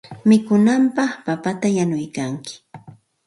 Mikunankupaq papata yanuykalkanki.